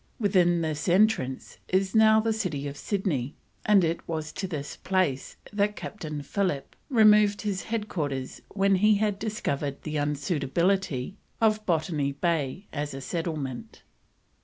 Within this entrance is now the city of Sydney, and it was to this place that Captain Phillip removed his headquarters when he had discovered the unsuitability of Botany Bay for settlement.